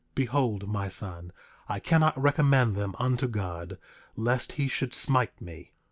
9:21 Behold, my son, I cannot recommend them unto God lest he should smite me.